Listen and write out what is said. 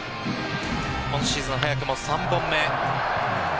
今シーズンは早くも３本目。